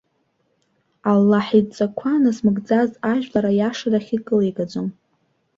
Аллаҳ идҵақәа назмыгӡаз ажәлар, аиашарахь икылигаӡом.